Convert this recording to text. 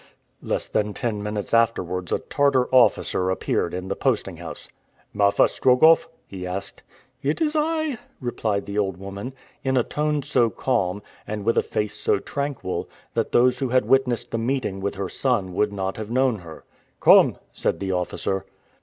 Less than ten minutes afterwards a Tartar officer appeared in the posting house. "Marfa Strogoff?" he asked. "It is I," replied the old woman, in a tone so calm, and with a face so tranquil, that those who had witnessed the meeting with her son would not have known her. "Come," said the officer.